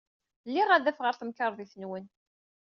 Liɣ adaf ɣer temkarḍit-nwen.